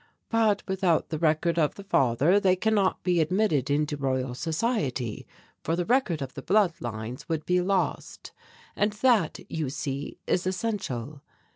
But without the record of the father they cannot be admitted into Royal Society, for the record of the blood lines would be lost, and that, you see, is essential.